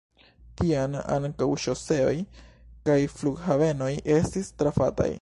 Tiam ankaŭ ŝoseoj kaj flughavenoj estis trafataj.